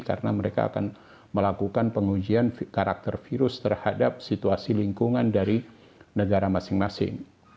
karena mereka akan melakukan pengujian karakter virus terhadap situasi lingkungan dari negara masing masing